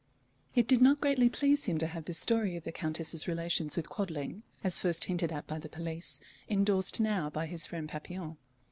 It did not greatly please him to have this story of the Countess's relations with Quadling, as first hinted at by the police, endorsed now by his friend Papillon.